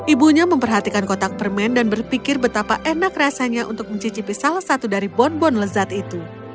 ibunya memperhatikan kotak permen dan berpikir betapa enak rasanya untuk mencicipi salah satu dari bonbon lezat itu